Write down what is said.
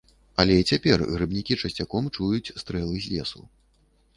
Але і цяпер грыбнікі часцяком чуюць стрэлы з лесу.